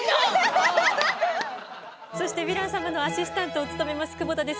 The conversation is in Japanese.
そしてヴィラン様のアシスタントを務めます久保田です。